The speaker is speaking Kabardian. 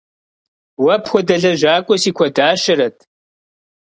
Уэ пхуэдэ лэжьакӀуэ си куэдащэрэт.